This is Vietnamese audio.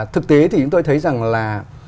thực tế thì chúng tôi thấy rằng là